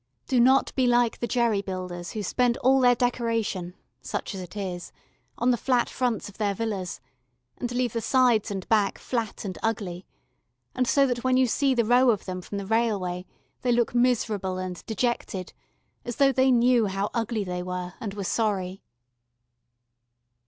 Do not be like the jerry builders who spend all their decoration, such as it is, on the flat fronts of their villas, and leave the sides and back flat and ugly, and so that when you see the row of them from the railway they look miserable and dejected, as though they knew how ugly they were and were sorry.